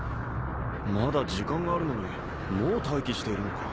まだ時間があるのにもう待機しているのか。